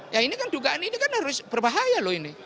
ya ini kan dugaan ini kan harus berbahaya loh ini